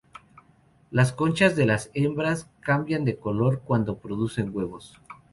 Las conchas de las hembras cambian de color cuando producen huevos.